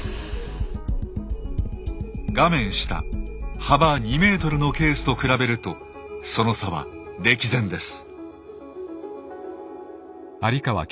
画面下幅２ｍのケースと比べるとその差は歴然です。